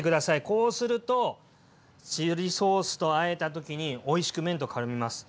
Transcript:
こうするとチリソースとあえた時においしく麺とからみます。